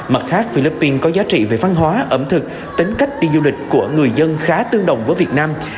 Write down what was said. mặt khác philippines có giá trị về văn hóa ẩm thực tính cách đi du lịch của người dân khá tương đồng với việt nam